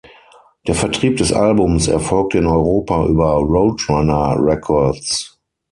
Der Vertrieb des Albums erfolgte in Europa über Roadrunner Records.